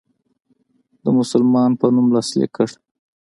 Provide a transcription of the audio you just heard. د مسلمان په نوم لاسلیک کړ.